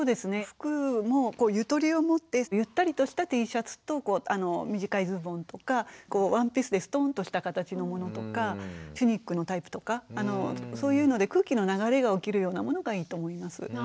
服もゆとりをもってゆったりとしたＴシャツと短いズボンとかワンピースでストンとした形のものとかチュニックのタイプとかそういうので空気の流れが起きるようなものがいいと思います。